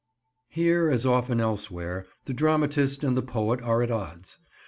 Here, as often elsewhere, the dramatist and the poet are at odds.